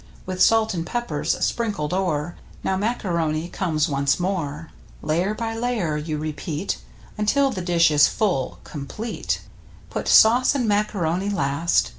With salt and pepper's sprinkled o'er; Now macaroni comes once more — Layer by layer you repeat Until the dish is full — complete. Put sauce and macaroni last.